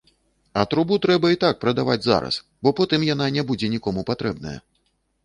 А трубу трэба і так прадаваць зараз, бо потым яна не будзе нікому патрэбная.